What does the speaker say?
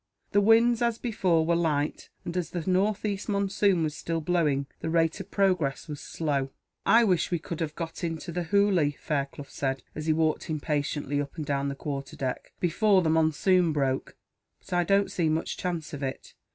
The winds, as before, were light and, as the northeast monsoon was still blowing, the rate of progress was slow. "I wish we could have got into the Hooghly," Fairclough said, as he walked impatiently up and down the quarterdeck, "before the monsoon broke; but I don't see much chance of it.